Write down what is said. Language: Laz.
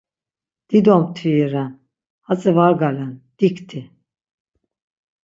Dido mtviri ren, hatzi var galen, dikti!